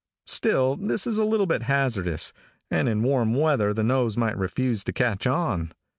Still, this is a little bit hazardous, and in warm weather the nose might refuse to catch on.